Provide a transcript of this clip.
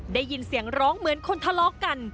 ได้ยินเสียงร้องเหมือนคนทะเลาะกัน